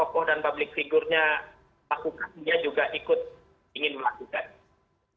oke bahkan kita sempat dengar presiden jokowi akan menjadi untuk mengikuti program vaksinasi covid sembilan belas ini ini